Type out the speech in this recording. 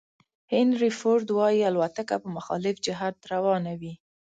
هینري فورد وایي الوتکه په مخالف جهت روانه وي.